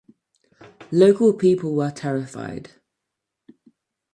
Local people were terrified.